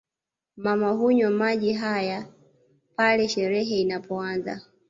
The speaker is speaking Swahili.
Mama hunywa maji haya pale sherehe inapoanza